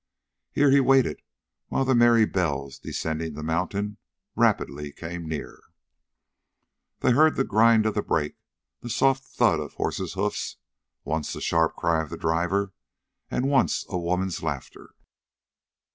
Here he waited, while the merry bells, descending the mountain, rapidly came near. They heard the grind of brakes, the soft thud of horses' hoofs, once a sharp cry of the driver, and once a woman's laughter.